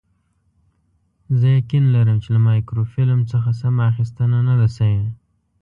زه یقین لرم چې له مایکروفیلم څخه سمه اخیستنه نه ده شوې.